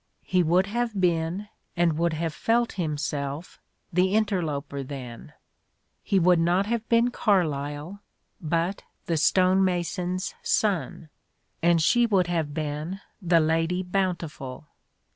He would have been, and would have felt himself, the interloper then — ^he would not have been Carlyle but the stone mason's son, and she would have been the Lady Bountiful.